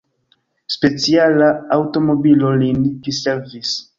Speciala aŭtomobilo lin priservis.